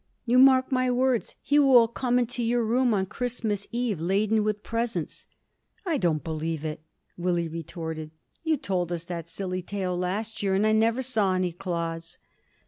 "You mark my words, he will come into your room on Christmas Eve laden with presents." "I don't believe it!" Willie retorted. "You told us that silly tale last year and I never saw any Claus!"